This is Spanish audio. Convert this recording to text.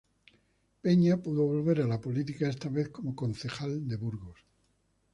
Peña pudo volver a la política, esta vez como concejal de Burgos.